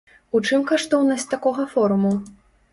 У чым каштоўнасць такога форуму?